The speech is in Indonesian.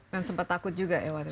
dan sempat takut juga ya waktu itu